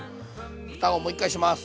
ふたをもう一回します。